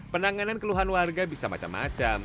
penanganan keluhan warga bisa macam macam